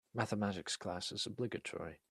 Mathematics class is obligatory.